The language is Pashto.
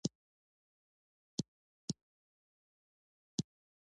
ازادي راډیو د ترانسپورټ په اړه تفصیلي راپور چمتو کړی.